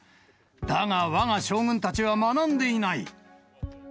だがわが将軍たちは学んでいない。